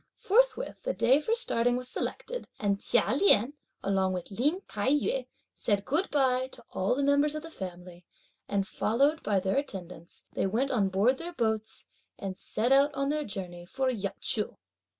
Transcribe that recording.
Forthwith the day for starting was selected, and Chia Lien, along with Lin Tai yü, said good bye to all the members of the family, and, followed by their attendants, they went on board their boats, and set out on their journey for Yang Chou.